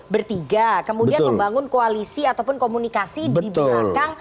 bertiga kemudian membangun koalisi ataupun komunikasi di belakang